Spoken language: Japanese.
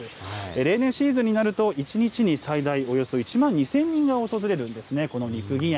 例年、シーズンになると、１日に最大およそ１万２０００人が訪れるんですね、この六義園。